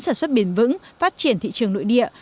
sản xuất bền vững phát triển thị trường nội địa